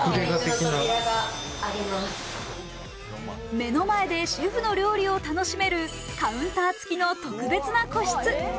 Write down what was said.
目の前でシェフの料理を楽しめるカウンターつきの特別な個室。